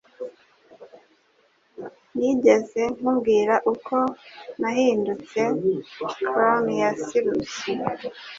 Nigeze nkubwira uko nahindutse clown ya sirusi?